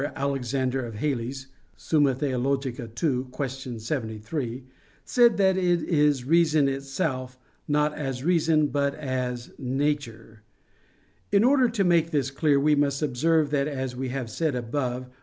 Alexander of Hales, Sum. Theol. II, Q. 73] said that it is reason itself, not as reason, but as a nature. In order to make this clear we must observe that, as we have said above (A.